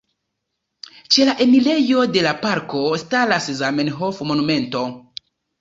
Ĉe la enirejo de la parko staras Zamenhof-monumento.